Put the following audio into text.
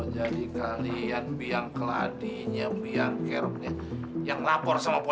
sampai jumpa di video selanjutnya